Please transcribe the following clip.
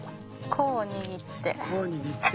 こう握って。